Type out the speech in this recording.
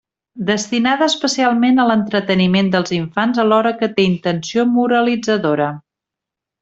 Destinada especialment a l'entreteniment dels infants alhora que té intenció moralitzadora.